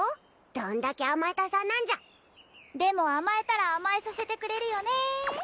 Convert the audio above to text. どんだけ甘えたさんなんじゃでも甘えたら甘えさせてくれるよね